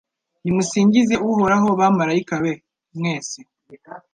Nimusingize Uhoraho bamalayika be mwese